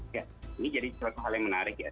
ya ini jadi salah satu hal yang menarik ya